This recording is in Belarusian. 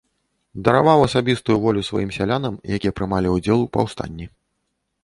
Дараваў асабістую волю сваім сялянам, якія прымалі ўдзел у паўстанні.